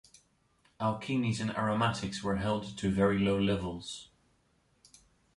Alkenes and aromatics were held to very low levels.